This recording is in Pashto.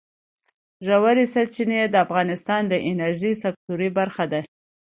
ژورې سرچینې د افغانستان د انرژۍ سکتور برخه ده.